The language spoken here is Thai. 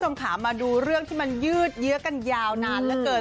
คุณผู้ชมค่ะมาดูเรื่องที่มันยืดเยื้อกันยาวนานเหลือเกิน